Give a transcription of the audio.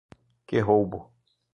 Que roubo!